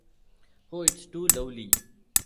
Oh, it is too lovely!